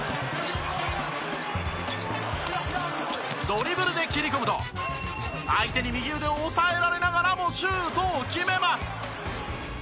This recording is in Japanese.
ドリブルで切り込むと相手に右腕を押さえられながらもシュートを決めます。